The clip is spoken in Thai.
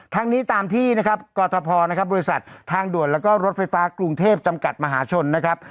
ทั้งนี้ตามที่นะครับกรทพนะครับบริษัททางด่วนแล้วก็รถไฟฟ้ากรุงเทพจำกัดมหาชนนะครับ